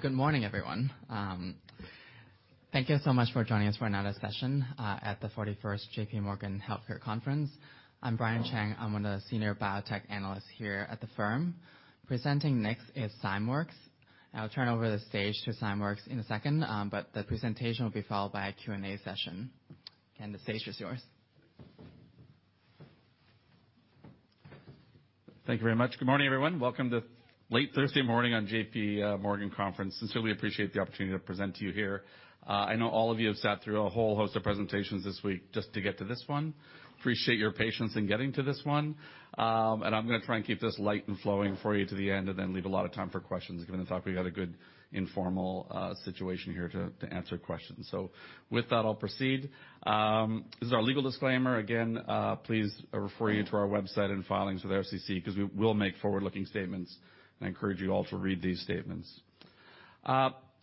Good morning, everyone. Thank you so much for joining us for another session at the 41st J.P. Morgan Healthcare Conference. I'm Brian Cheng, I'm one of the senior biotech analysts here at the firm. Presenting next is Zymeworks. I'll turn over the stage to Zymeworks in a second, but the presentation will be followed by a Q&A session. The stage is yours. Thank you very much. Good morning, everyone. Welcome to late Thursday morning on JP Morgan conference. Sincerely appreciate the opportunity to present to you here. I know all of you have sat through a whole host of presentations this week just to get to this one. Appreciate your patience in getting to this one. I'm gonna try and keep this light and flowing for you to the end and then leave a lot of time for questions, given the fact we've got a good informal situation here to answer questions. With that, I'll proceed. This is our legal disclaimer. Again, please refer you to our website and filings with SEC 'cause we will make forward-looking statements. I encourage you all to read these statements.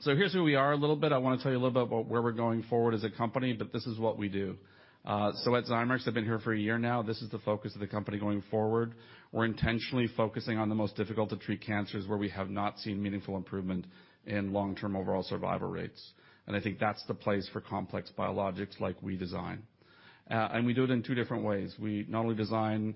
Here's where we are a little bit. I wanna tell you a little bit about where we're going forward as a company. This is what we do. At Zymeworks, I've been here for a year now. This is the focus of the company going forward. We're intentionally focusing on the most difficult to treat cancers where we have not seen meaningful improvement in long-term overall survival rates. I think that's the place for complex biologics like we design. We do it in two different ways. We not only design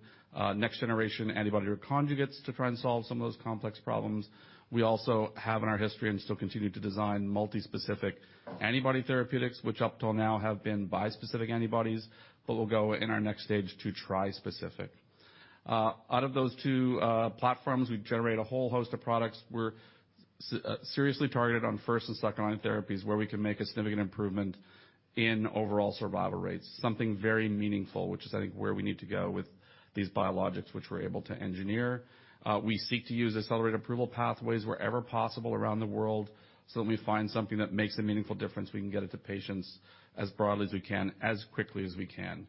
next generation antibody or conjugates to try and solve some of those complex problems, we also have in our history and still continue to design multispecific antibody therapeutics, which up till now have been bispecific antibodies, but we'll go in our next stage to trispecific. Out of those two platforms, we generate a whole host of products. We're seriously targeted on first and second-line therapies where we can make a significant improvement in overall survival rates, something very meaningful, which is, I think, where we need to go with these biologics which we're able to engineer. We seek to use accelerated approval pathways wherever possible around the world, when we find something that makes a meaningful difference, we can get it to patients as broadly as we can, as quickly as we can.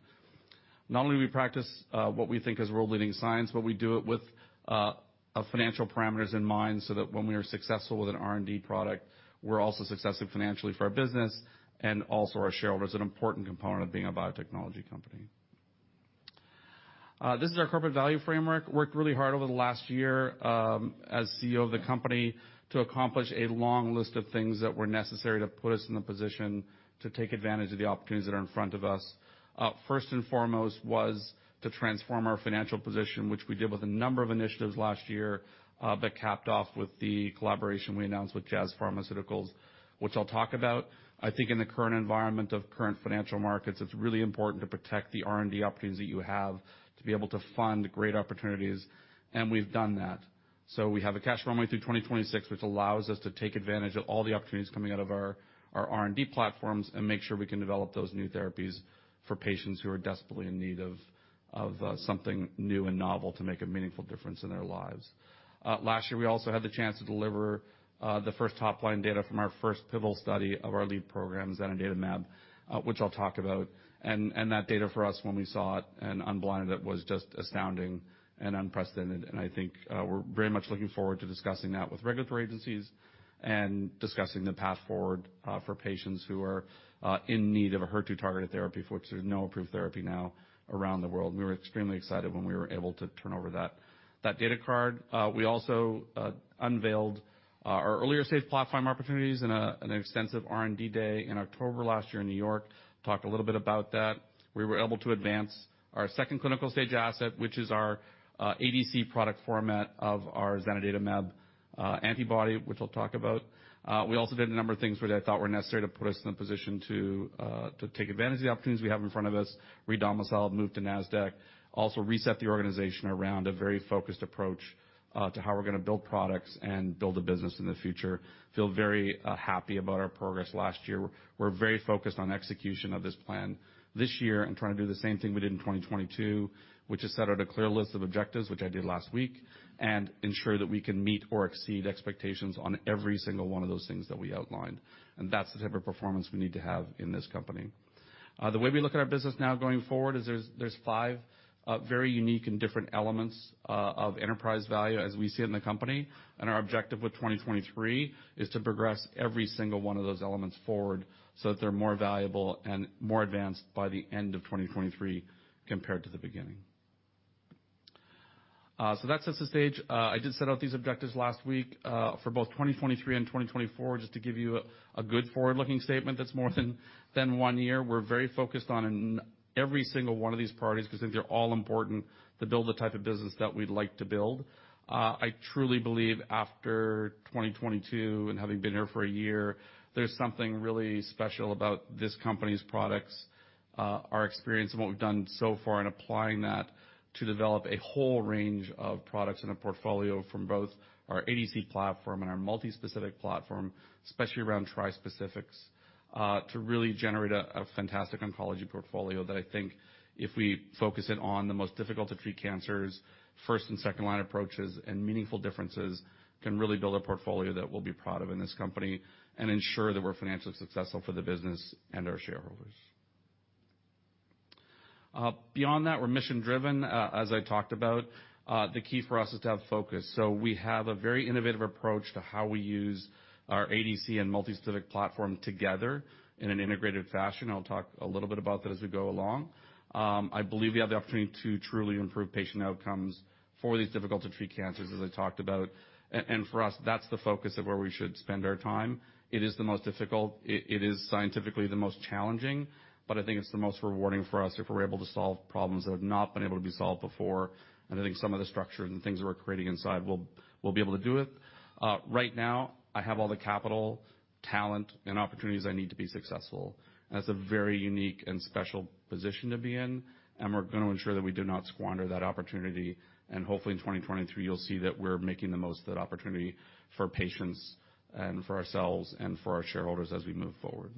Not only do we practice what we think is world-leading science, but we do it with financial parameters in mind, that when we are successful with an R&D product, we're also successful financially for our business and also our shareholders, an important component of being a biotechnology company. This is our corporate value framework. Worked really hard over the last year, as CEO of the company to accomplish a long list of things that were necessary to put us in the position to take advantage of the opportunities that are in front of us. First and foremost was to transform our financial position, which we did with a number of initiatives last year, but capped off with the collaboration we announced with Jazz Pharmaceuticals, which I'll talk about. I think in the current environment of current financial markets, it's really important to protect the R&D opportunities that you have to be able to fund great opportunities, and we've done that. We have a cash runway through 2026, which allows us to take advantage of all the opportunities coming out of our R&D platforms and make sure we can develop those new therapies for patients who are desperately in need of something new and novel to make a meaningful difference in their lives. Last year, we also had the chance to deliver the first top-line data from our first pivotal study of our lead programs, zanidatamab, which I'll talk about. That data for us when we saw it and unblinded it was just astounding and unprecedented. I think we're very much looking forward to discussing that with regulatory agencies and discussing the path forward for patients who are in need of a HER2-targeted therapy for which there's no approved therapy now around the world. We were extremely excited when we were able to turn over that data card. We also unveiled our earlier-safe platform opportunities in an extensive R&D day in October last year in New York. Talked a little bit about that. We were able to advance our second clinical stage asset, which is our ADC product format of our zanidatamab antibody, which I'll talk about. We also did a number of things which I thought were necessary to put us in a position to take advantage of the opportunities we have in front of us, re-domicile, move to Nasdaq. Also reset the organization around a very focused approach to how we're gonna build products and build a business in the future. Feel very happy about our progress last year. We're very focused on execution of this plan this year and trying to do the same thing we did in 2022, which is set out a clear list of objectives, which I did last week. Ensure that we can meet or exceed expectations on every single one of those things that we outlined. That's the type of performance we need to have in this company. The way we look at our business now going forward is there's 5 very unique and different elements of enterprise value as we see it in the company. Our objective with 2023 is to progress every single one of those elements forward so that they're more valuable and more advanced by the end of 2023 compared to the beginning. That sets the stage. I did set out these objectives last week, for both 2023 and 2024, just to give you a good forward-looking statement that's more than 1 year. We're very focused on in every single one of these priorities 'cause they're all important to build the type of business that we'd like to build. I truly believe after 2022 and having been here for a year, there's something really special about this company's products, our experience and what we've done so far in applying that to develop a whole range of products in a portfolio from both our ADC platform and our multispecific platform, especially around trispecifics, to really generate a fantastic oncology portfolio that I think if we focus it on the most difficult to treat cancers, first- and second-line approaches and meaningful differences can really build a portfolio that we'll be proud of in this company and ensure that we're financially successful for the business and our shareholders. Beyond that, we're mission-driven, as I talked about. The key for us is to have focus. We have a very innovative approach to how we use our ADC and multispecific platform together in an integrated fashion. I'll talk a little bit about that as we go along. I believe we have the opportunity to truly improve patient outcomes for these difficult to treat cancers, as I talked about. For us, that's the focus of where we should spend our time. It is the most difficult. It is scientifically the most challenging, but I think it's the most rewarding for us if we're able to solve problems that have not been able to be solved before. I think some of the structure and things that we're creating inside will be able to do it. Right now, I have all the capital, talent, and opportunities I need to be successful. That's a very unique and special position to be in, and we're gonna ensure that we do not squander that opportunity. Hopefully, in 2023, you'll see that we're making the most of that opportunity for patients and for ourselves and for our shareholders as we move forward.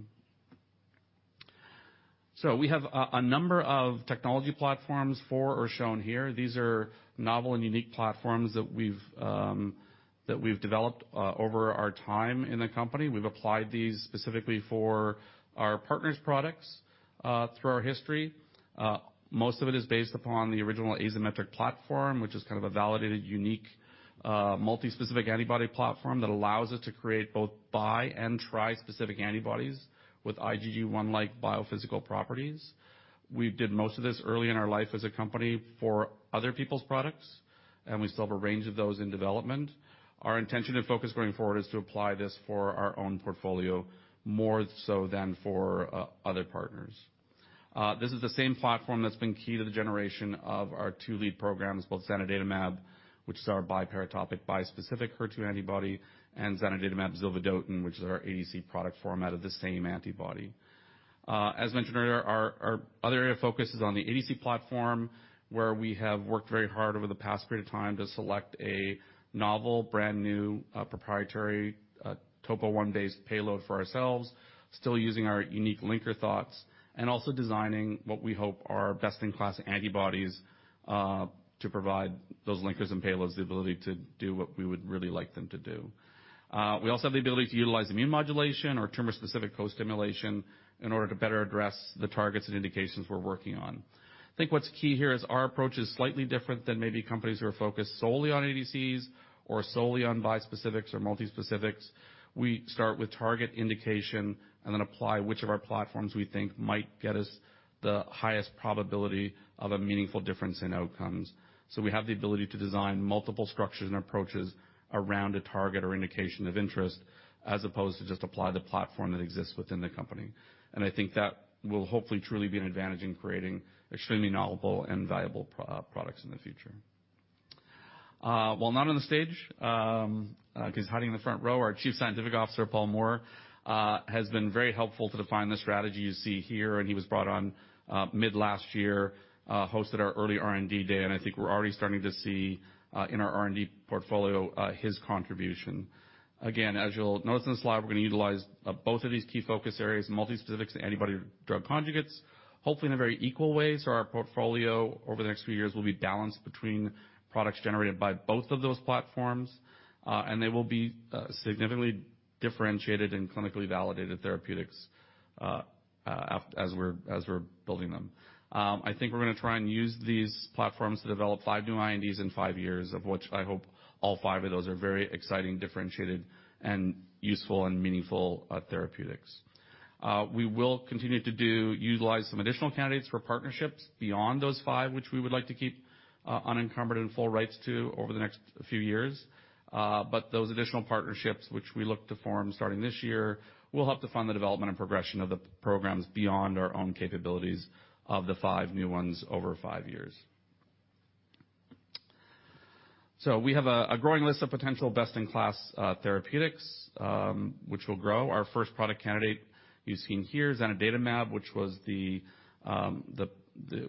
We have a number of technology platforms, four are shown here. These are novel and unique platforms that we've developed over our time in the company. We've applied these specifically for our partners products through our history. Most of it is based upon the original Azymetric platform, which is kind of a validated, unique multispecific antibody platform that allows us to create both bi- and tri-specific antibodies with IgG1-like biophysical properties. We did most of this early in our life as a company for other people's products, and we still have a range of those in development. Our intention and focus going forward is to apply this for our own portfolio more so than for other partners. This is the same platform that's been key to the generation of our two lead programs, both zanidatamab, which is our biparatopic bispecific HER2 antibody, and zanidatamab zovodotin, which is our ADC product format of the same antibody. As mentioned earlier, our other area of focus is on the ADC platform, where we have worked very hard over the past period of time to select a novel, brand-new, proprietary TOPO1i payload for ourselves, still using our unique linker thoughts and also designing what we hope are best-in-class antibodies to provide those linkers and payloads the ability to do what we would really like them to do. We also have the ability to utilize immune modulation or tumor-specific co-stimulation in order to better address the targets and indications we're working on. I think what's key here is our approach is slightly different than maybe companies who are focused solely on ADCs or solely on bispecifics or multispecifics. We start with target indication and then apply which of our platforms we think might get us the highest probability of a meaningful difference in outcomes. We have the ability to design multiple structures and approaches around a target or indication of interest as opposed to just apply the platform that exists within the company. I think that will hopefully truly be an advantage in creating extremely novel and valuable products in the future. While not on the stage, 'cause he's hiding in the front row, our Chief Scientific Officer, Paul Moore, has been very helpful to define the strategy you see here. He was brought on mid last year, hosted our early R&D day, and I think we're already starting to see in our R&D portfolio his contribution. Again, as you'll notice in the slide, we're gonna utilize both of these key focus areas, multispecifics and antibody drug conjugates, hopefully in a very equal way. Our portfolio over the next few years will be balanced between products generated by both of those platforms, and they will be significantly differentiated in clinically validated therapeutics as we're building them. I think we're gonna try and use these platforms to develop five new INDs in 5 years, of which I hope all 5 of those are very exciting, differentiated, and useful and meaningful therapeutics. We will continue to utilize some additional candidates for partnerships beyond those 5, which we would like to keep unencumbered and full rights to over the next few years. Those additional partnerships which we look to form starting this year will help to fund the development and progression of the programs beyond our own capabilities of the five new ones over 5 years. We have a growing list of potential best-in-class therapeutics, which will grow. Our first product candidate you're seeing here is zanidatamab, which was the...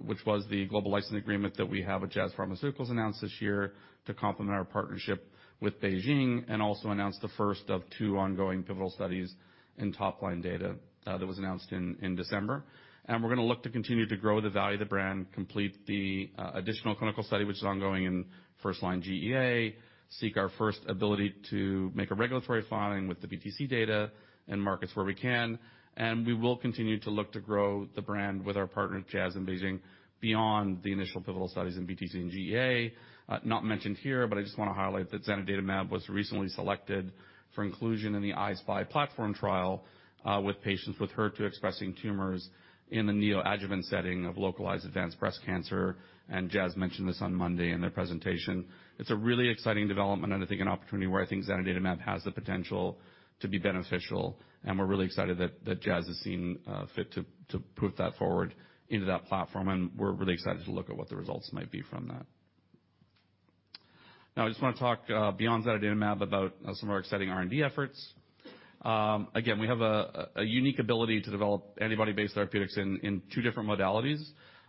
which was the global licensing agreement that we have with Jazz Pharmaceuticals announced this year to complement our partnership with BeiGene. Also announced the first of two ongoing pivotal studies in top-line data, that was announced in December. We're gonna look to continue to grow the value of the brand, complete the additional clinical study which is ongoing in first-line GEA, seek our first ability to make a regulatory filing with the BTC data in markets where we can. We will continue to look to grow the brand with our partner Jazz in BeiGene beyond the initial pivotal studies in BTC and GEA. Not mentioned here, I just wanna highlight that zanidatamab was recently selected for inclusion in the I-SPY platform trial with patients with HER2-expressing tumors in the neoadjuvant setting of localized advanced breast cancer. Jazz mentioned this on Monday in their presentation. It's a really exciting development and I think an opportunity where I think zanidatamab has the potential to be beneficial, and we're really excited that Jazz has seen fit to put that forward into that platform, and we're really excited to look at what the results might be from that. I just wanna talk beyond zanidatamab about some of our exciting R&D efforts. Again, we have a unique ability to develop antibody-based therapeutics in two different modalities.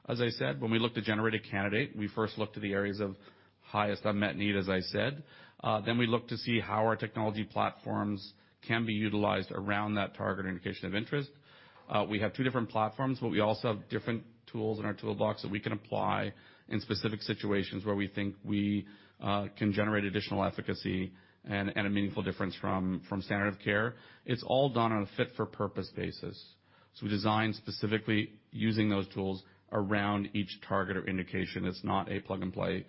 As I said, when we look to generate a candidate, we first look to the areas of highest unmet need, as I said. We look to see how our technology platforms can be utilized around that target indication of interest. We have two different platforms, but we also have different tools in our toolbox that we can apply in specific situations where we think we can generate additional efficacy and a meaningful difference from standard of care. It's all done on a fit for purpose basis. We design specifically using those tools around each target or indication. It's not a plug-and-play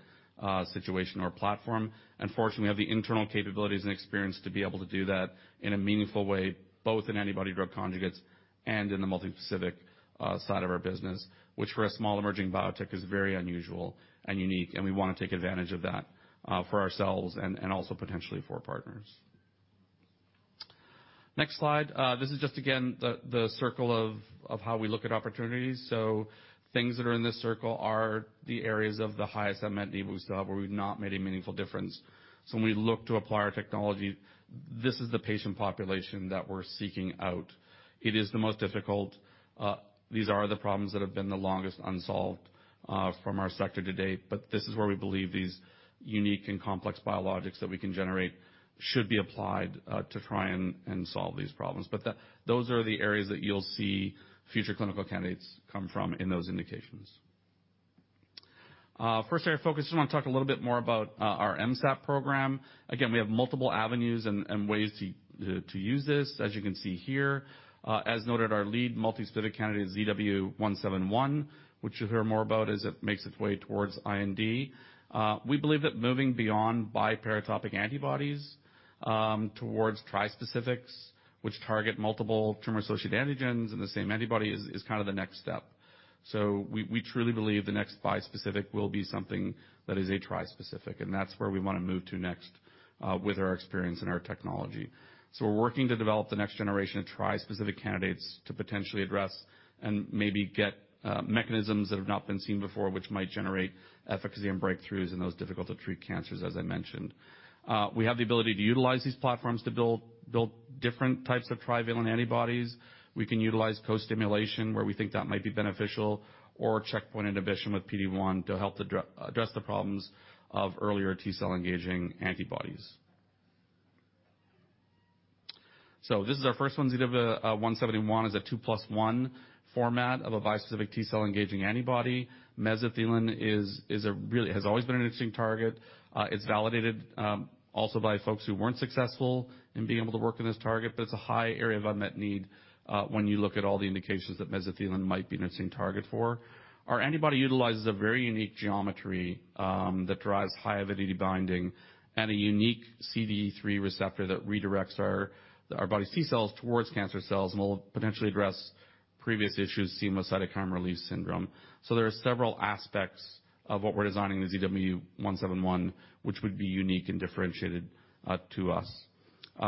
situation or platform. Fortunately, we have the internal capabilities and experience to be able to do that in a meaningful way, both in antibody-drug conjugates and in the multispecific side of our business, which for a small emerging biotech is very unusual and unique, and we wanna take advantage of that for ourselves and also potentially for partners. Next slide. This is just again the circle of how we look at opportunities. Things that are in this circle are the areas of the highest unmet need we saw where we've not made a meaningful difference. When we look to apply our technology, this is the patient population that we're seeking out. It is the most difficult. These are the problems that have been the longest unsolved from our sector to date, but this is where we believe these unique and complex biologics that we can generate should be applied to try and solve these problems. Those are the areas that you'll see future clinical candidates come from in those indications. First area of focus, just wanna talk a little bit more about our MSAT program. Again, we have multiple avenues and ways to use this, as you can see here. As noted, our lead multi-specific candidate is ZW171, which you'll hear more about as it makes its way towards IND. We believe that moving beyond biparatopic antibodies towards tri-specifics, which target multiple tumor-associated antigens in the same antibody is kinda the next step. We truly believe the next bispecific will be something that is a tri-specific, and that's where we wanna move to next with our experience and our technology. We're working to develop the next generation of tri-specific candidates to potentially address and maybe get mechanisms that have not been seen before, which might generate efficacy and breakthroughs in those difficult-to-treat cancers, as I mentioned. We have the ability to utilize these platforms to build different types of trivalent antibodies. We can utilize co-stimulation where we think that might be beneficial, or checkpoint inhibition with PD-1 to help address the problems of earlier T-cell engaging antibodies. This is our first one. ZW171 is a 2+ 1 format of a bispecific T-cell engaging antibody. Mesothelin has always been an interesting target. It's validated, also by folks who weren't successful in being able to work in this target, but it's a high area of unmet need, when you look at all the indications that mesothelin might be an interesting target for. Our antibody utilizes a very unique geometry, that drives high-avidity binding and a unique CD3 receptor that redirects our body's T-cells towards cancer cells and will potentially address previous issues seen with cytokine release syndrome. There are several aspects of what we're designing in the ZW171, which would be unique and differentiated to us.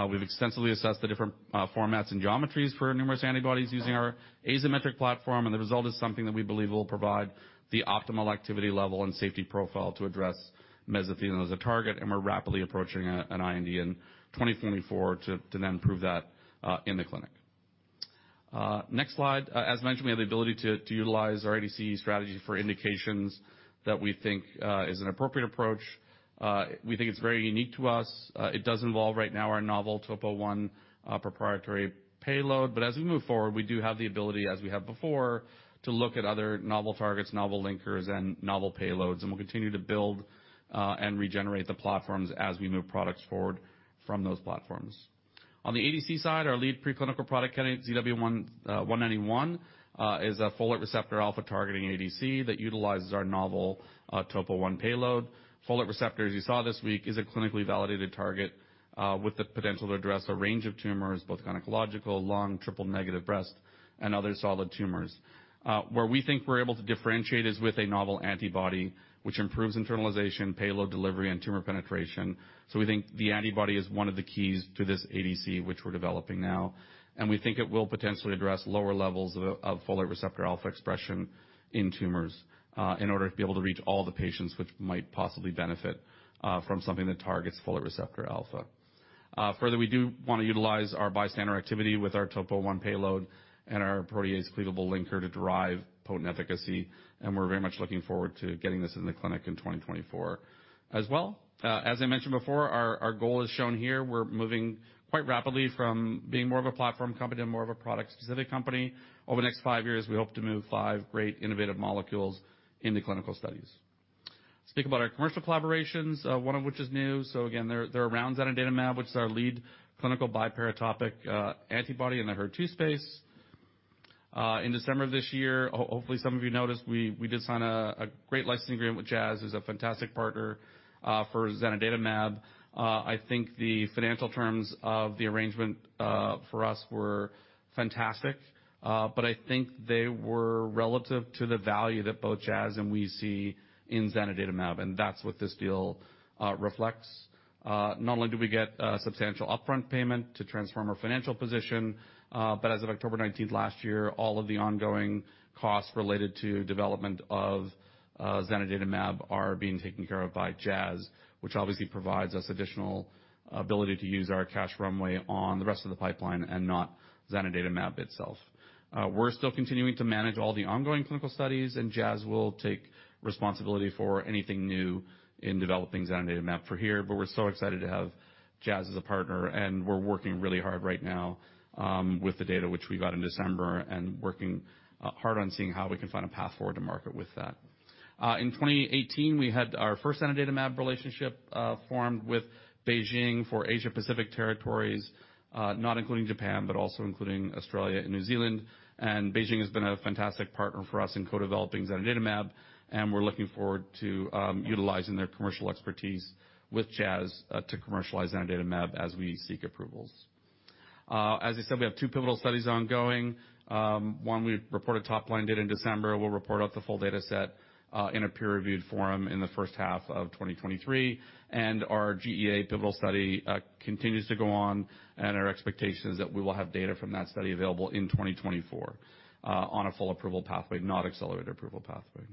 We've extensively assessed the different formats and geometries for numerous antibodies using our Azymetric platform, and the result is something that we believe will provide the optimal activity level and safety profile to address mesothelin as a target, and we're rapidly approaching an IND in 2024 to then prove that in the clinic. Next slide. As mentioned, we have the ability to utilize our ADC strategy for indications that we think is an appropriate approach. We think it's very unique to us. It does involve right now our novel Topo1 proprietary payload. As we move forward, we do have the ability, as we have before, to look at other novel targets, novel linkers and novel payloads, and we'll continue to build and regenerate the platforms as we move products forward from those platforms. On the ADC side, our lead preclinical product candidate, ZW191, is a folate receptor alpha targeting ADC that utilizes our novel Topo1 payload. Folate receptor, as you saw this week, is a clinically validated target with the potential to address a range of tumors, both gynecological, lung, triple-negative breast, and other solid tumors. Where we think we're able to differentiate is with a novel antibody, which improves internalization, payload delivery, and tumor penetration. We think the antibody is one of the keys to this ADC, which we're developing now. We think it will potentially address lower levels of folate receptor alpha expression in tumors in order to be able to reach all the patients which might possibly benefit from something that targets folate receptor alpha. Further, we do wanna utilize our bystander activity with our Topo1 payload and our protease-cleavable linker to derive potent efficacy, and we're very much looking forward to getting this in the clinic in 2024 as well. As I mentioned before, our goal is shown here. We're moving quite rapidly from being more of a platform company to more of a product-specific company. Over the next 5 years, we hope to move five great innovative molecules into clinical studies. Speak about our commercial collaborations, one of which is new. Again, there are rounds out of zanidatamab, which is our lead clinical biparatopic antibody in the HER2 space. In December of this year, hopefully some of you noticed, we did sign a great licensing agreement with Jazz, who's a fantastic partner, for zanidatamab. I think the financial terms of the arrangement for us were fantastic, but I think they were relative to the value that both Jazz and we see in zanidatamab, and that's what this deal reflects. Not only do we get a substantial upfront payment to transform our financial position, but as of October nineteenth last year, all of the ongoing costs related to development of zanidatamab are being taken care of by Jazz, which obviously provides us additional ability to use our cash runway on the rest of the pipeline and not zanidatamab itself. We're still continuing to manage all the ongoing clinical studies, Jazz will take responsibility for anything new in developing zanidatamab for here, but we're so excited to have Jazz as a partner, we're working really hard right now with the data which we got in December and working hard on seeing how we can find a path forward to market with that. In 2018, we had our first zanidatamab relationship formed with BeiGene for Asia Pacific territories, not including Japan, but also including Australia and New Zealand. BeiGene has been a fantastic partner for us in co-developing zanidatamab, we're looking forward to utilizing their commercial expertise with Jazz to commercialize zanidatamab as we seek approvals. As I said, we have two pivotal studies ongoing. One we reported top line data in December. We'll report out the full data set in a peer-reviewed forum in the first half of 2023. Our GEA pivotal study continues to go on, and our expectation is that we will have data from that study available in 2024 on a full approval pathway, not accelerated approval pathway.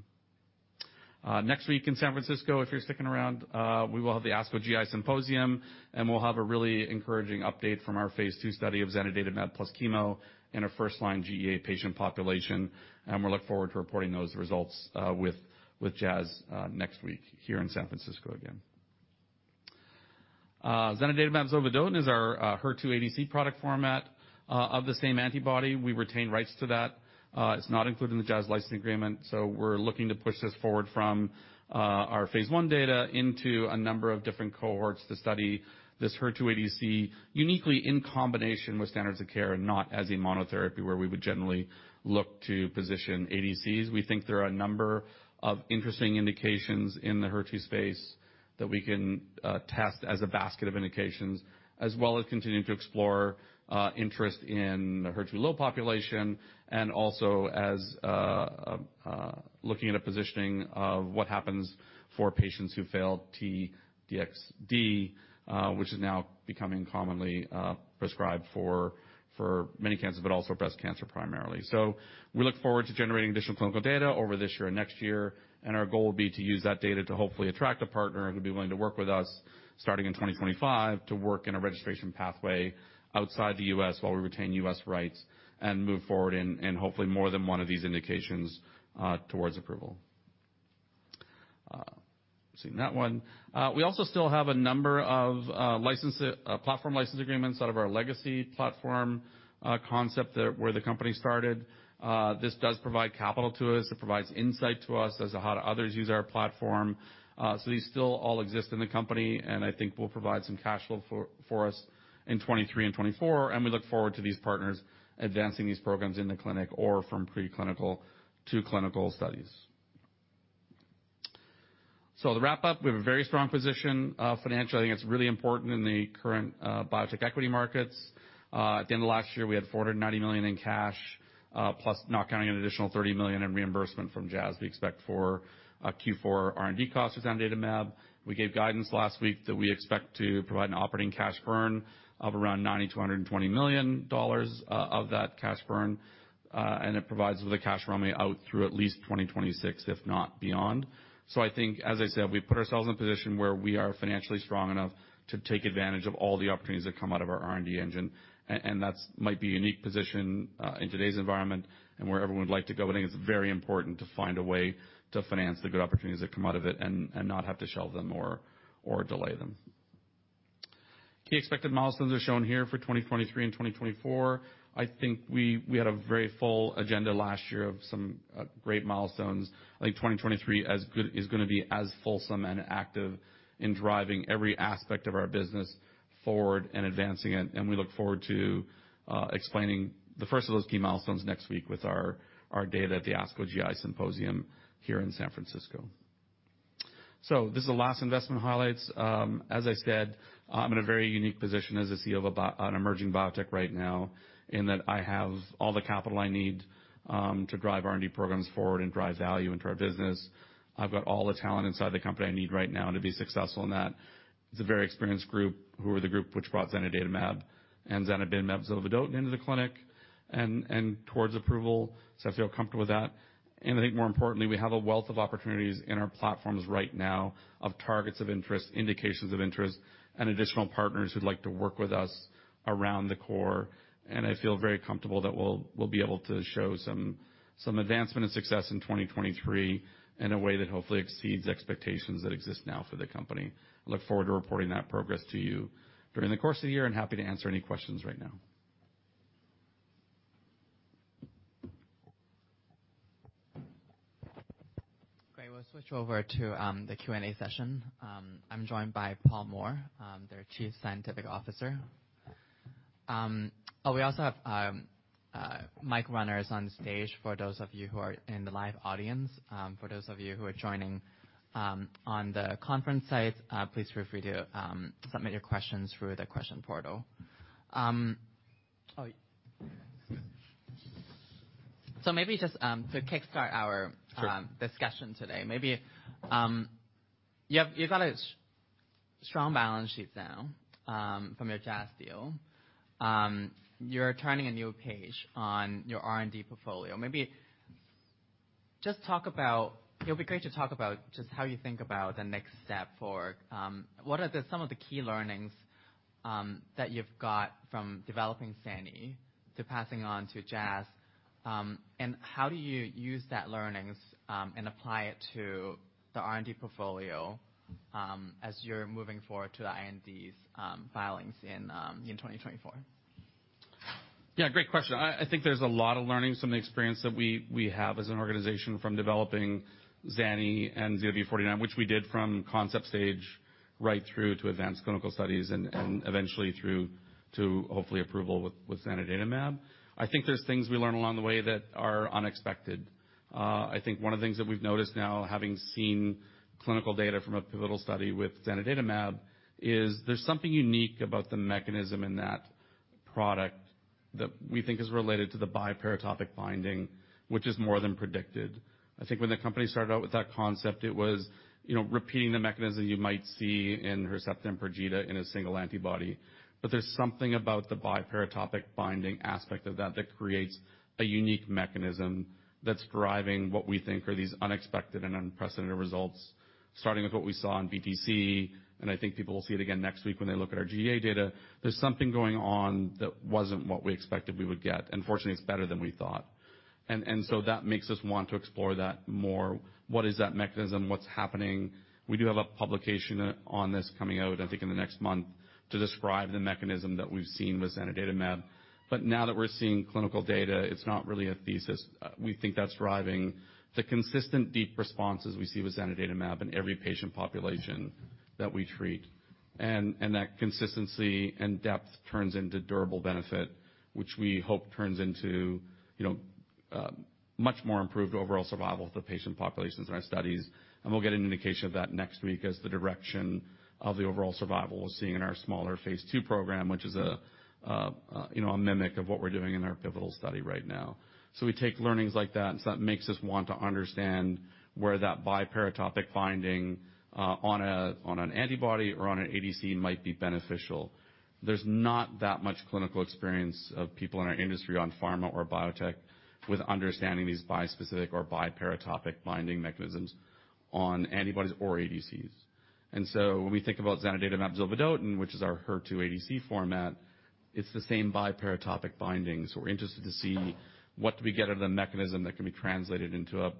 Next week in San Francisco, if you're sticking around, we will have the ASCO GI Symposium, and we'll have a really encouraging update from our phase II study of zanidatamab plus chemo in a first-line GEA patient population. We look forward to reporting those results with Jazz next week here in San Francisco again. Zanidatamab zovodotin is our HER2 ADC product format of the same antibody. We retain rights to that. It's not included in the Jazz licensing agreement, so we're looking to push this forward from our phase I data into a number of different cohorts to study this HER2 ADC uniquely in combination with standards of care, not as a monotherapy, where we would generally look to position ADCs. We think there are a number of interesting indications in the HER2 space that we can test as a basket of indications, as well as continuing to explore interest in the HER2 low population, and also looking at a positioning of what happens for patients who fail T-DXd, which is now becoming commonly prescribed for many cancers, but also breast cancer primarily. We look forward to generating additional clinical data over this year and next year, and our goal will be to use that data to hopefully attract a partner who'd be willing to work with us starting in 2025 to work in a registration pathway outside the U.S. while we retain U.S. rights and move forward in hopefully more than one of these indications towards approval. Seen that one. We also still have a number of license platform license agreements out of our legacy platform concept there where the company started. This does provide capital to us. It provides insight to us as to how others use our platform. These still all exist in the company, and I think will provide some cash flow for us in 2023 and 2024, and we look forward to these partners advancing these programs in the clinic or from preclinical to clinical studies. To wrap up, we have a very strong position financially. I think it's really important in the current biotech equity markets. At the end of last year, we had $490 million in cash, plus not counting an additional $30 million in reimbursement from Jazz we expect for Q4 R&D costs with zanidatamab. We gave guidance last week that we expect to provide an operating cash burn of around $90 million-$120 million of that cash burn, and it provides with a cash runway out through at least 2026, if not beyond. I think, as I said, we put ourselves in a position where we are financially strong enough to take advantage of all the opportunities that come out of our R&D engine. And that's might be a unique position in today's environment and where everyone would like to go. I think it's very important to find a way to finance the good opportunities that come out of it and not have to shelve them or delay them. Key expected milestones are shown here for 2023 and 2024. I think we had a very full agenda last year of some great milestones. I think 2023 is gonna be as fulsome and active in driving every aspect of our business forward and advancing it. We look forward to explaining the first of those key milestones next week with our data at the ASCO GI Symposium here in San Francisco. This is the last investment highlights. As I said, I'm in a very unique position as a CEO of an emerging biotech right now in that I have all the capital I need to drive R&D programs forward and drive value into our business. I've got all the talent inside the company I need right now to be successful in that. It's a very experienced group who are the group which brought zanidatamab and zanidatamab zovodotin into the clinic and towards approval. I feel comfortable with that. I think more importantly, we have a wealth of opportunities in our platforms right now of targets of interest, indications of interest, and additional partners who'd like to work with us around the core. I feel very comfortable that we'll be able to show some advancement and success in 2023 in a way that hopefully exceeds expectations that exist now for the company. I look forward to reporting that progress to you during the course of the year and happy to answer any questions right now. Great. We'll switch over to the Q&A session. I'm joined by Paul Moore, their Chief Scientific Officer. We also have mic runners on stage for those of you who are in the live audience. For those of you who are joining on the conference site, please feel free to submit your questions through the question portal. maybe just to kickstart. Sure. discussion today, maybe, you've got a strong balance sheet now, from your Jazz deal. You're turning a new page on your R&D portfolio. Maybe just talk about. It'll be great to talk about just how you think about the next step for. What are the, some of the key learnings that you've got from developing zanidatamab to passing on to Jazz, and how do you use that learnings and apply it to the R&D portfolio as you're moving forward to the INDs filings in 2024? Yeah, great question. I think there's a lot of learnings from the experience that we have as an organization from developing ZANI and ZW49, which we did from concept stage right through to advanced clinical studies and eventually through to hopefully approval with zanidatamab. I think there's things we learn along the way that are unexpected. I think one of the things that we've noticed now, having seen clinical data from a pivotal study with zanidatamab, is there's something unique about the mechanism in that product that we think is related to the biparatopic binding, which is more than predicted. I think when the company started out with that concept, it was, you know, repeating the mechanism you might see in HERCEPTIN and PERJETA in a single antibody. There's something about the biparatopic binding aspect of that that creates a unique mechanism that's driving what we think are these unexpected and unprecedented results, starting with what we saw in BTC, and I think people will see it again next week when they look at our GEA data. There's something going on that wasn't what we expected we would get, fortunately it's better than we thought. That makes us want to explore that more. What is that mechanism? What's happening? We do have a publication, on this coming out, I think in the next month, to describe the mechanism that we've seen with zanidatamab. Now that we're seeing clinical data, it's not really a thesis. We think that's driving the consistent deep responses we see with zanidatamab in every patient population that we treat. That consistency and depth turns into durable benefit, which we hope turns into, you know, much more improved overall survival of the patient populations in our studies. We'll get an indication of that next week as the direction of the overall survival we're seeing in our smaller phase II program, which is a, you know, a mimic of what we're doing in our pivotal study right now. We take learnings like that, so that makes us want to understand where that biparatopic binding on an antibody or on an ADC might be beneficial. There's not that much clinical experience of people in our industry on pharma or biotech with understanding these bispecific or biparatopic binding mechanisms on antibodies or ADCs. When we think about zanidatamab zovodotin, which is our HER2 ADC format, it's the same biparatopic binding. We're interested to see what do we get out of the mechanism that can be translated into a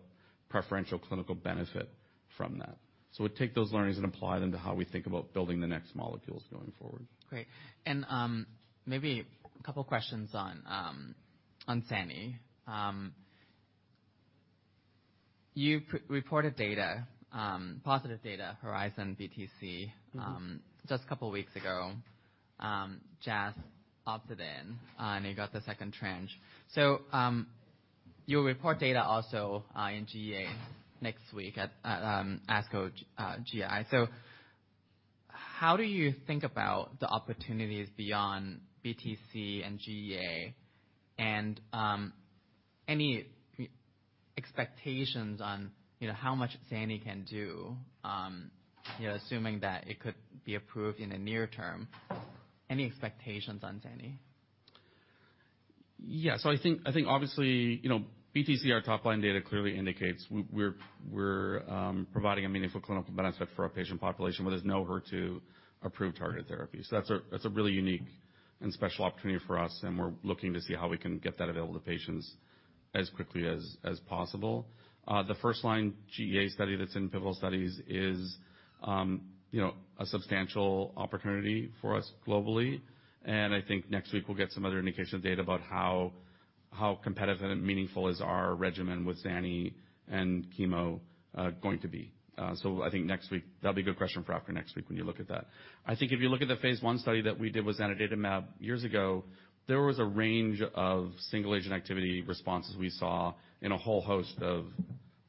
preferential clinical benefit from that. We take those learnings and apply them to how we think about building the next molecules going forward. Great. Maybe a couple questions on Zani. You reported data, positive data, HERIZON-BTC-01, just a couple weeks ago. Jazz opted in, and you got the second tranche. You report data also in GEA next week at ASCO GI. How do you think about the opportunities beyond BTC and GEA? Any expectations on, you know, how much Zani can do, you know, assuming that it could be approved in the near term? Any expectations on Zani? Yeah. I think obviously, you know, BTC, our top line data clearly indicates we're providing a meaningful clinical benefit for our patient population, where there's no HER2 approved targeted therapy. That's a really unique and special opportunity for us, and we're looking to see how we can get that available to patients as quickly as possible. The first-line GEA study that's in pivotal studies is, you know, a substantial opportunity for us globally. I think next week we'll get some other indication data about how competitive and meaningful is our regimen with Zani and chemo going to be. That'll be a good question for after next week when you look at that. I think if you look at the phase I study that we did with zanidatamab years ago, there was a range of single-agent activity responses we saw in a whole host of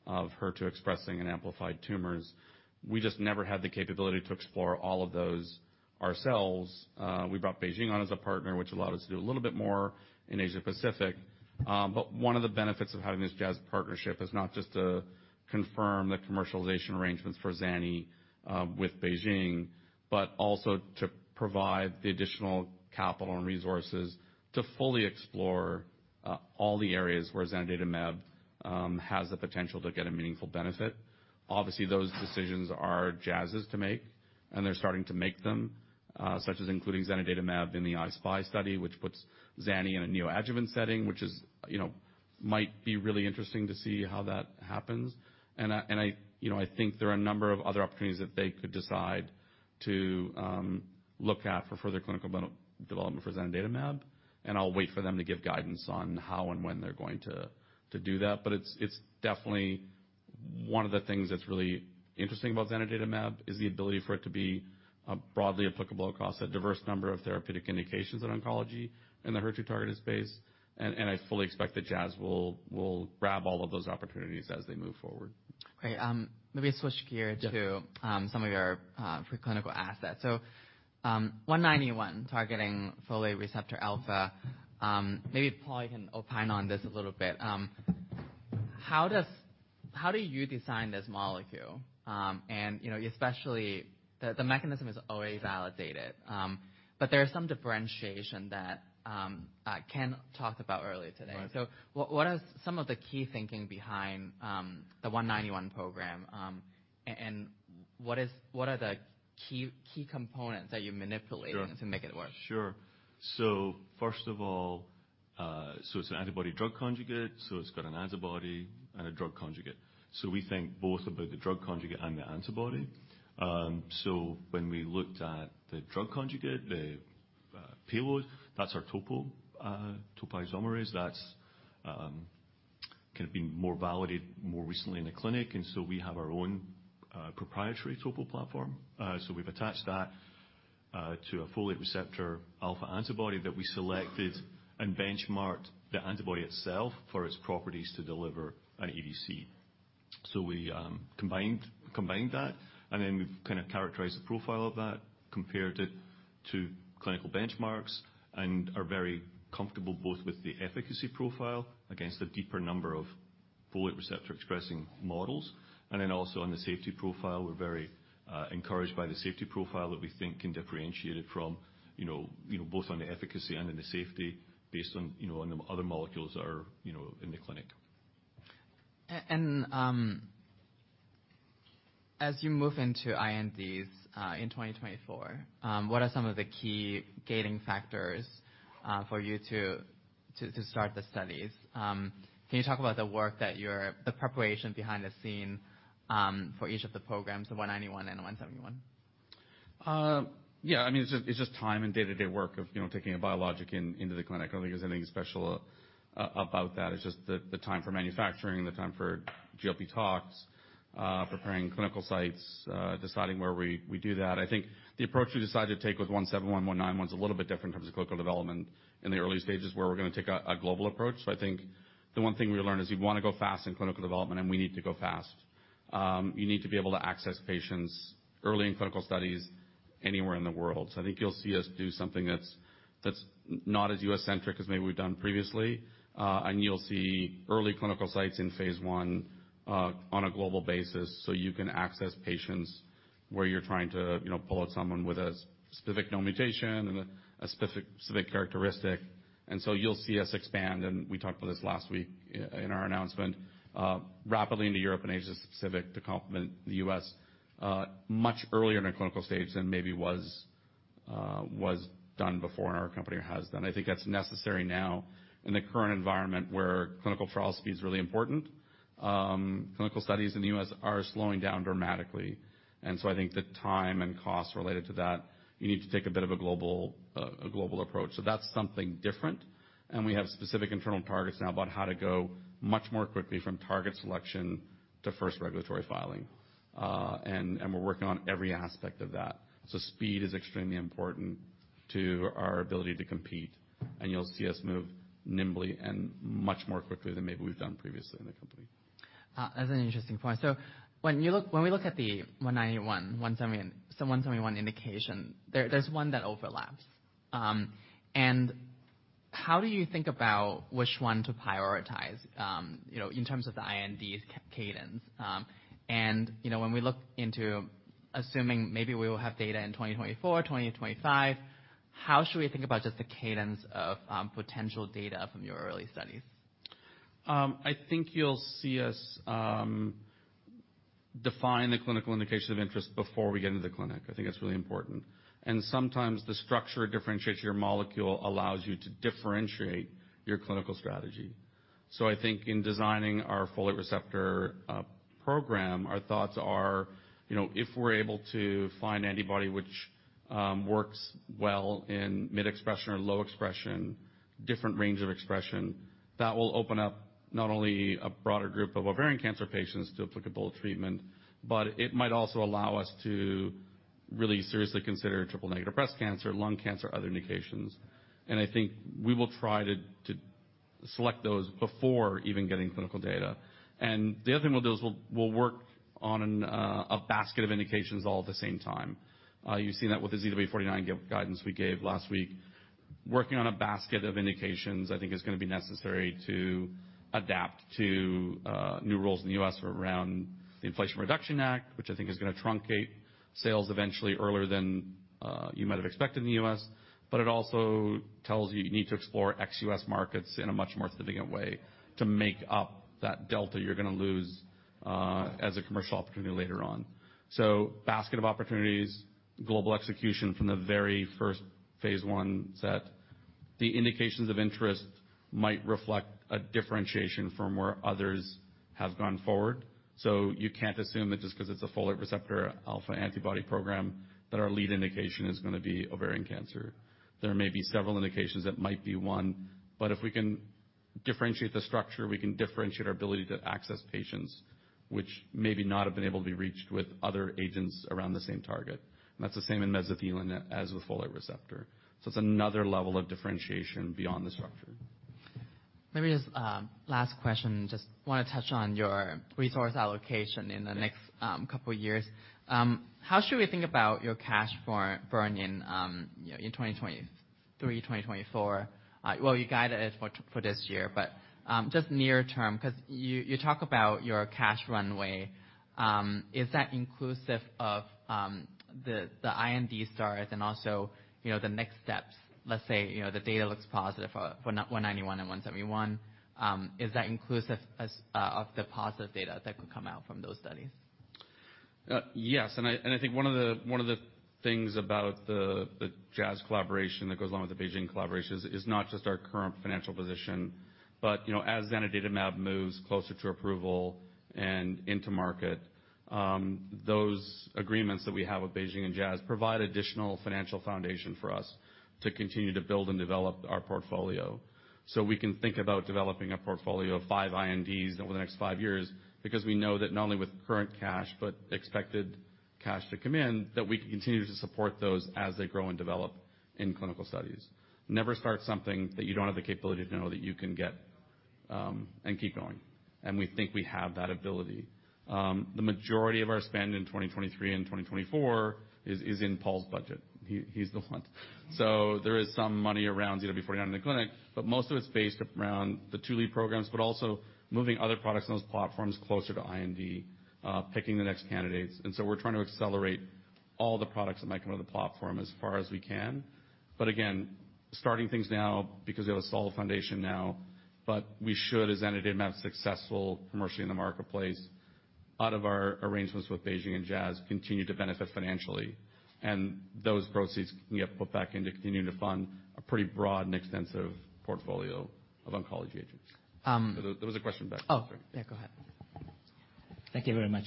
HER2 expressing and amplified tumors. We brought BeiGene on as a partner, which allowed us to do a little bit more in Asia-Pacific. One of the benefits of having this Jazz partnership is not just to confirm the commercialization arrangements for Zani, with BeiGene, but also to provide the additional capital and resources to fully explore all the areas where zanidatamab has the potential to get a meaningful benefit. Obviously, those decisions are Jazz's to make, and they're starting to make them, such as including zanidatamab in the I-SPY study, which puts Zani in a neoadjuvant setting, which is, you know, might be really interesting to see how that happens. I, you know, I think there are a number of other opportunities that they could decide to look at for further clinical development for zanidatamab, and I'll wait for them to give guidance on how and when they're going to do that. It's, it's definitely one of the things that's really interesting about zanidatamab, is the ability for it to be broadly applicable across a diverse number of therapeutic indications in oncology in the HER2-targeted space. I fully expect that Jazz will grab all of those opportunities as they move forward. Great. Maybe switch gear to some of your preclinical assets. ZW191 targeting folate receptor alpha. Maybe Paul can opine on this a little bit. How do you design this molecule? You know, especially the mechanism is already validated, but there are some differentiation that Ken talked about earlier today. Right. What are some of the key thinking behind the ZW191 program? What are the key components that you manipulate-? Sure. To make it work? Sure. First of all, it's an antibody-drug conjugate, it's got an antibody and a drug conjugate. We think both about the drug conjugate and the antibody. When we looked at the drug conjugate, the payload, that's our topoisomerase, that's kind of been more validated more recently in the clinic, and we have our own proprietary TOPO1i payload. We've attached that to a folate receptor alpha antibody that we selected and benchmarked the antibody itself for its properties to deliver an ADC. We combined that, and then we've kind of characterized the profile of that, compared it to clinical benchmarks and are very comfortable both with the efficacy profile against a deeper number of folate receptor expressing models. Also on the safety profile, we're very encouraged by the safety profile that we think can differentiate it from, you know, both on the efficacy and in the safety based on, you know, on the other molecules that are, you know, in the clinic. As you move into INDs in 2024, what are some of the key gating factors for you to start the studies? Can you talk about the work that the preparation behind the scene for each of the programs, the ZW191 and the ZW171? Yeah. I mean, it's just, it's just time and day-to-day work of, you know, taking a biologic into the clinic. I don't think there's anything special about that. It's just the time for manufacturing, the time for GLP talks, preparing clinical sites, deciding where we do that. I think the approach we decided to take with ZW171, ZW191's a little bit different in terms of clinical development in the early stages, where we're gonna take a global approach. I think the one thing we learned is you wanna go fast in clinical development, and we need to go fast. You need to be able to access patients early in clinical studies anywhere in the world. I think you'll see us do something that's not as US-centric as maybe we've done previously. You'll see early clinical sites in phase I on a global basis, so you can access patients where you're trying to, you know, pull out someone with a specific no mutation and a specific characteristic. You'll see us expand, and we talked about this last week in our announcement rapidly into Europe and Asia Pacific to complement the U.S. much earlier in the clinical stage than maybe was done before in our company or has done. I think that's necessary now in the current environment where clinical trial speed is really important. Clinical studies in the U.S. are slowing down dramatically, and I think the time and cost related to that, you need to take a bit of a global approach. That's something different. We have specific internal targets now about how to go much more quickly from target selection to first regulatory filing. We're working on every aspect of that. Speed is extremely important to our ability to compete, and you'll see us move nimbly and much more quickly than maybe we've done previously in the company. That's an interesting point. When we look at the ZW191, the ZW171 indication, there's one that overlaps. How do you think about which one to prioritize, you know, in terms of the INDs cadence? You know, when we look into assuming maybe we will have data in 2024, 2025, how should we think about just the cadence of potential data from your early studies? I think you'll see us define the clinical indication of interest before we get into the clinic. I think that's really important. Sometimes the structure differentiates your molecule, allows you to differentiate your clinical strategy. I think in designing our folate receptor program, our thoughts are, you know, if we're able to find antibody which works well in mid expression or low expression, different range of expression, that will open up not only a broader group of ovarian cancer patients to applicable treatment, but it might also allow us to really seriously consider triple-negative breast cancer, lung cancer, other indications. I think we will try to select those before even getting clinical data. The other thing we'll do is we'll work on a basket of indications all at the same time. You've seen that with the ZW49 guidance we gave last week. Working on a basket of indications, I think is gonna be necessary to adapt to new rules in the U.S. around the Inflation Reduction Act, which I think is gonna truncate sales eventually earlier than you might have expected in the U.S. It also tells you you need to explore ex-U.S. markets in a much more significant way to make up that delta you're gonna lose as a commercial opportunity later on. Basket of opportunities, global execution from the very first phase I set. The indications of interest might reflect a differentiation from where others have gone forward. You can't assume that just 'cause it's a folate receptor alpha antibody program, that our lead indication is gonna be ovarian cancer. There may be several indications that might be one, but if we can differentiate the structure, we can differentiate our ability to access patients, which maybe not have been able to be reached with other agents around the same target. That's the same in mesothelin as with folate receptor. It's another level of differentiation beyond the structure. Maybe just, last question, just wanna touch on your resource allocation in the next couple years. How should we think about your cash burn in, you know, in 2023, 2024? Well, you guided it for this year, but just near term, 'cause you talk about your cash runway. Is that inclusive of the IND start and also, you know, the next steps? Let's say, you know, the data looks positive for ZW191 and ZW171. Is that inclusive as of the positive data that could come out from those studies? Yes. I think one of the things about the Jazz collaboration that goes along with the BeiGene collaboration is not just our current financial position, but, you know, as zanidatamab moves closer to approval and into market, those agreements that we have with BeiGene and Jazz provide additional financial foundation for us to continue to build and develop our portfolio. We can think about developing a portfolio of 5 INDs over the next 5 years, because we know that not only with current cash, but expected cash to come in, that we can continue to support those as they grow and develop in clinical studies. Never start something that you don't have the capability to know that you can get and keep going. We think we have that ability. The majority of our spend in 2023 and 2024 is in Paul's budget. He's the one. There is some money around ZW49 in the clinic, but most of it's based around the two lead programs, but also moving other products in those platforms closer to IND, picking the next candidates. We're trying to accelerate all the products that might come out of the platform as far as we can. Again, starting things now because we have a solid foundation now, but we should, as zanidatamab successful commercially in the marketplace, out of our arrangements with BeiGene and Jazz, continue to benefit financially. Those proceeds can get put back in to continue to fund a pretty broad and extensive portfolio of oncology agents. There was a question back there. Oh, yeah, go ahead. Thank you very much.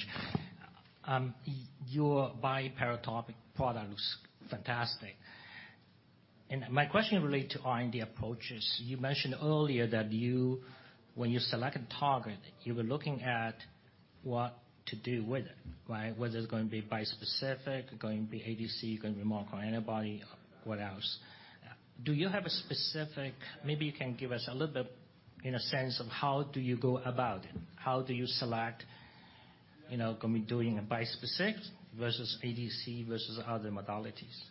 Your bi-paratope product looks fantastic. My question relate to R&D approaches. You mentioned earlier that when you select a target, you were looking at what to do with it, right? Whether it's going to be bispecific, going to be ADC, going to be monoclonal antibody, what else? Maybe you can give us a little bit, in a sense of how do you go about it? How do you select, you know, can be doing a bispecific versus ADC versus other modalities?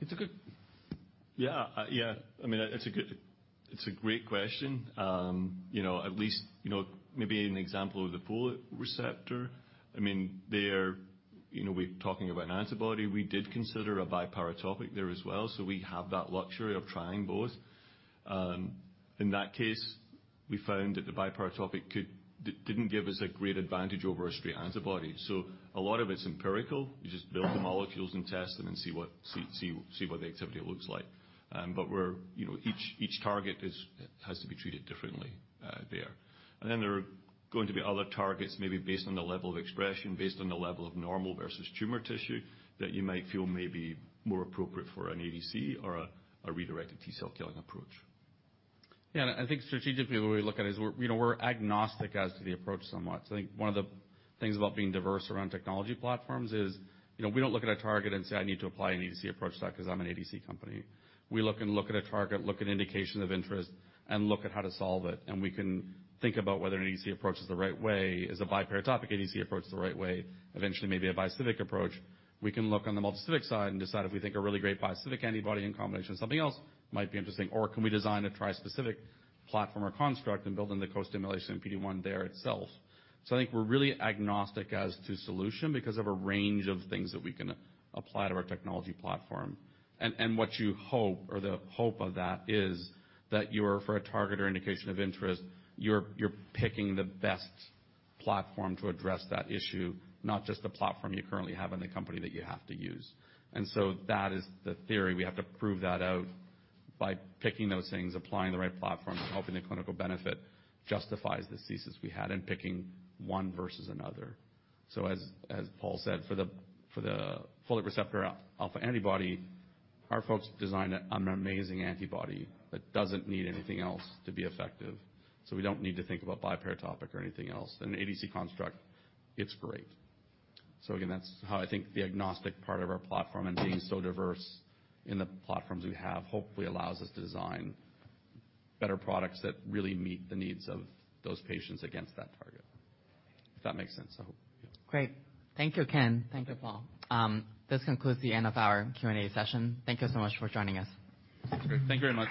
It's a good. Yeah. Yeah. I mean, it's a good... It's a great question. You know, at least, you know, maybe an example of the folate receptor. I mean, there, you know, we're talking about an antibody. We did consider a bi-paratope there as well, so we have that luxury of trying both. In that case, we found that the bi-paratope didn't give us a great advantage over a straight antibody. A lot of it's empirical. You just build the molecules and test them and see what the activity looks like. We're, you know, each target is, has to be treated differently there. There are going to be other targets, maybe based on the level of expression, based on the level of normal versus tumor tissue, that you might feel may be more appropriate for an ADC or a redirected T-cell killing approach. Yeah. I think strategically, the way we look at it is we're, you know, we're agnostic as to the approach somewhat. I think one of the things about being diverse around technology platforms is, you know, we don't look at a target and say, "I need to apply an ADC approach to that 'cause I'm an ADC company." We look at a target, look at indication of interest and look at how to solve it, and we can think about whether an ADC approach is the right way, is a biparatopic ADC approach is the right way. Eventually maybe a bispecific approach. We can look on the multispecific side and decide if we think a really great bispecific antibody in combination with something else might be interesting. Can we design a trispecific platform or construct and build in the co-stimulation PD-1 there itself? I think we're really agnostic as to solution because of a range of things that we can apply to our technology platform. What you hope or the hope of that is that you're for a target or indication of interest, you're picking the best platform to address that issue, not just the platform you currently have in the company that you have to use. That is the theory. We have to prove that out by picking those things, applying the right platform, and hoping the clinical benefit justifies the thesis we had in picking one versus another. As, as Paul said, for the, for the folate receptor alpha antibody, our folks designed an amazing antibody that doesn't need anything else to be effective. We don't need to think about biparatopic or anything else. In an ADC construct, it's great. Again, that's how I think the agnostic part of our platform and being so diverse in the platforms we have, hopefully allows us to design better products that really meet the needs of those patients against that target. If that makes sense, I hope. Great. Thank you, Ken. Thank you, Paul. This concludes the end of our Q&A session. Thank you so much for joining us. Thanks. Thank you very much.